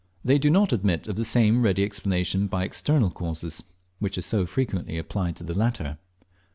They do not admit of the same ready explanation by external causes which is so frequently applied to the latter.